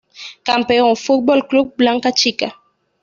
Campeón: Fútbol Club Blanca Chica.